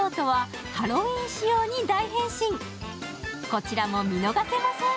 こちらも見逃せません。